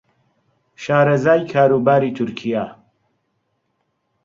شارەزای کاروباری تورکیا